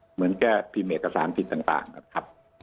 เหมือนแก้พิมพ์เอกสารสิทธิ์ต่างนะครับ